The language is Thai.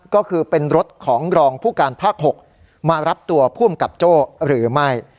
ก็คือเป็นรถของรองผู้การภาค๖มารับตัวผู้อำกับโจ้หรือไม่